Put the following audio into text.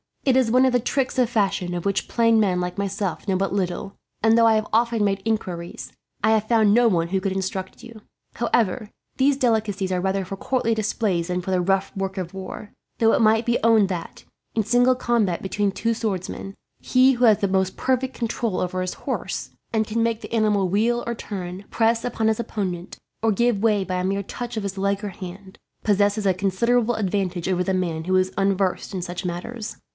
It is one of the tricks of fashion, of which plain men like myself know but little; and though I have often made inquiries, I have found no one who could instruct you. However, these delicacies are rather for courtly displays than for the rough work of war; though it must be owned that, in single combat between two swordsmen, he who has the most perfect control over his horse, and can make the animal wheel or turn, press upon his opponent, or give way by a mere touch of his leg or hand, possesses a considerable advantage over the man who is unversed in such matters.